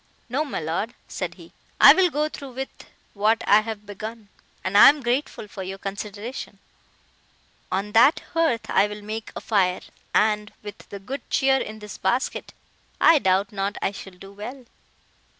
"No, my Lord," said he, "I will go through with what I have begun; and I am grateful for your consideration. On that hearth I will make a fire, and, with the good cheer in this basket, I doubt not I shall do well."